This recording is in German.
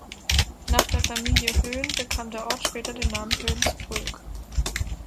Nach der Familie Hoen bekam der Ort später den Namen Hoensbroek.